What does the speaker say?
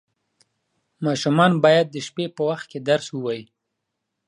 ماشومان باید د شپې په وخت کې درس ووایي.